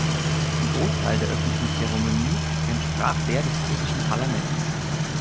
Ein Großteil der öffentlichen Zeremonie entsprach der des britischen Parlaments.